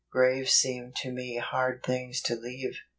Graves seem to me hard things to leave.